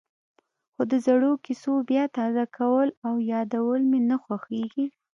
خو د زړو کېسو بیا تازه کول او یادول مې نه خوښېږي.